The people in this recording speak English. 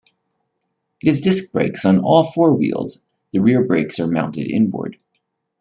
It has disc brakes on all four wheels, the rear brakes are mounted inboard.